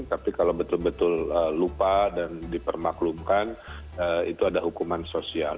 tapi kalau betul betul lupa dan dipermaklumkan itu ada hukuman sosial